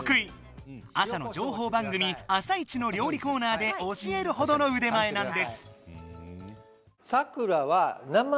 朝のじょうほう番組「あさイチ」の料理コーナーで教えるほどの腕前なんです！